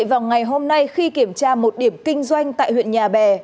vào ngày hôm nay khi kiểm tra một điểm kinh doanh tại huyện nhà bè